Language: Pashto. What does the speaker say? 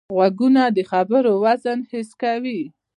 غوږونه د خبرو وزن حس کوي